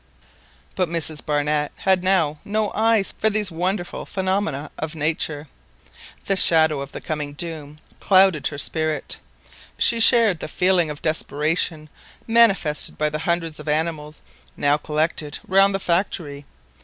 But Mrs Barnett had now no eyes for these wonderful phenomena of nature. The shadow of the coming doom clouded her spirit. She shared the feeling of depression manifested by the hundreds of animals now collected round the factory.